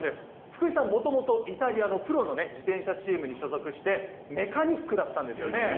福井さん、もともとイタリアのプロのね、自転車チームに所属して、メカニックだったんですよね。